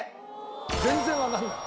全然わかんない。